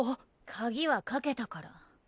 鍵はかけたから。